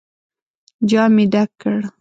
جام يې ډک کړ.